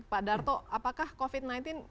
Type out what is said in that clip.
pak darto apakah covid sembilan belas